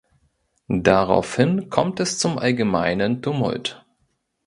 Daraufhin kommt es zum allgemeinen Tumult.